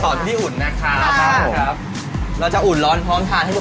ทอดเรียบร้อยเราก็จะมาดูขั้นตอนของการหั่น